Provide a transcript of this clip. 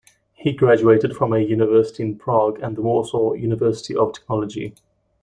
He graduated from a university in Prague and the Warsaw University of Technology.